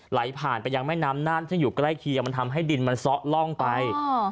ไหลผ่านไปยังแม่น้ำน่านที่อยู่ใกล้เคียงมันทำให้ดินมันซ้อล่องไป